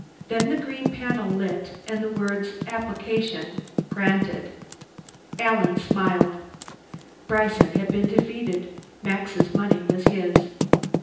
Then the green panel lit, and the words, APPLICATION GRANTED. Alan smiled. Bryson had been defeated; Max's money was his.